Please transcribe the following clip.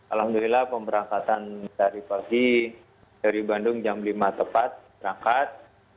alhamdulillah pemberangkatan dari pagi dari bandung jam lima tepat berangkat